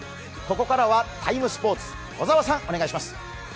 ここからは「ＴＩＭＥ，スポーツ」、小沢さんお願いします。